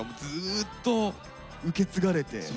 ずっと受け継がれて。